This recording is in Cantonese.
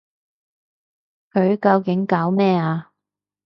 佢究竟搞咩啊？